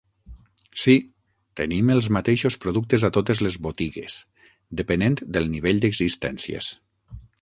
Sí, tenim els mateixos productes a totes les botigues, depenent del nivell d'existències.